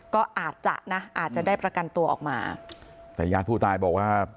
ก็อาจจะนะอาจจะได้ประกันตัวออกมาแต่ญาติผู้ตายบอกว่า